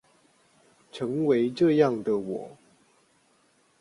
成為這樣的我